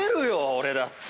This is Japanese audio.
俺だって。